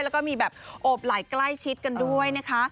แล้วก็มีแบบโอบไหล่ใกล้ชิดกันด้วยนะคะ